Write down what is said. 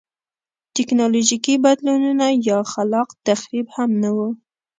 ټکنالوژیکي بدلونونه یا خلاق تخریب هم نه و.